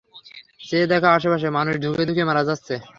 চেয়ে দেখো আশেপাশে, মানুষ ধুঁকেধুঁকে মারা যাচ্ছে!